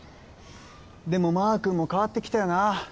でもまークンも変わってきたよな。